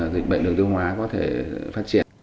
dịch bệnh đường tiêu hóa có thể phát triển